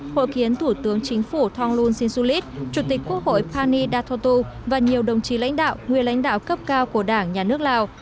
hội kiến thủ tướng chính phủ thonglun sinsulit chủ tịch quốc hội pani datotu và nhiều đồng chí lãnh đạo nguyên lãnh đạo cấp cao của đảng nhà nước lào